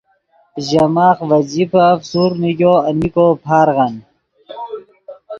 ژے ماخ ڤے جیبف سورڤ نیگو المین کو پارغن